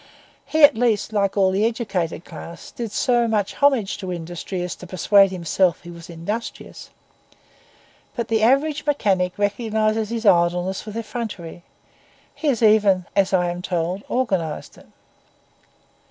He, at least, like all the educated class, did so much homage to industry as to persuade himself he was industrious. But the average mechanic recognises his idleness with effrontery; he has even, as I am told, organised it.